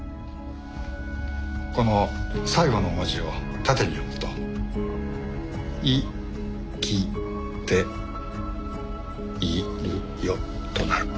この最後の文字を縦に読むと「いきているよ」となる。